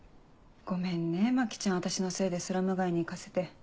ごめんね牧ちゃん私のせいでスラム街に行かせて。